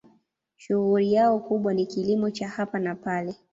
Shughuli yao kubwa ni kilimo cha hapa na pale.